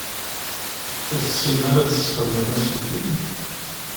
Ur tessinem ara ad tesxedmem aselkim?